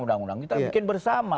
undang undang kita bikin bersama